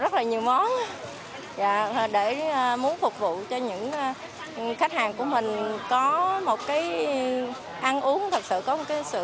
rất là nhiều món để muốn phục vụ cho những khách hàng của mình có một cái ăn uống thật sự có một cái sự